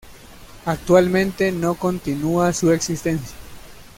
Actualmente no continúa su existencia.